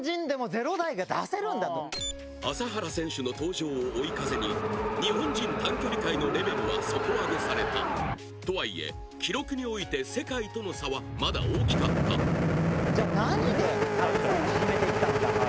朝原選手の登場を追い風に日本人短距離界のレベルは底上げされたとはいえ記録において世界との差はまだ大きかったじゃあ何でタイム差を縮めて行ったのか。